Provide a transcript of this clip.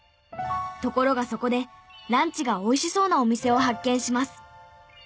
ところがそこでランチがおいしそうなお店を発見します。